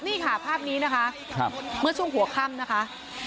นี่ค่ะภาพนี้นะคะเมื่อช่วงหัวค่ำนะคะ